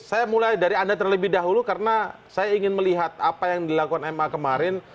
saya mulai dari anda terlebih dahulu karena saya ingin melihat apa yang dilakukan ma kemarin